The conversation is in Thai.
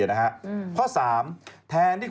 น้องกลัวอย่าไปแจ้งตำรวจดีกว่าเด็ก